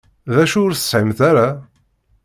D acu ur tesɛimt ara?